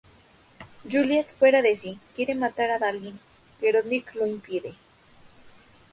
Juliette fuera de sí, quiere matar a Adalind, pero Nick lo impide.